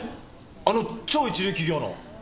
あの超一流企業の！